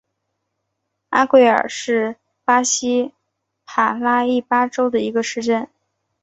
阿圭亚尔是巴西帕拉伊巴州的一个市镇。